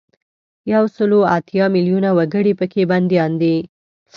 یو سل او اتیا میلونه وګړي په کې بندیان دي.